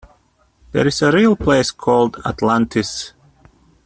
There is a real place called Atlantis.